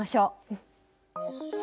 うん。